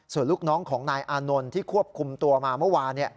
ส่วนลูกน้องของนายอานนท์ที่ควบคุมตัวมาเมื่อวาน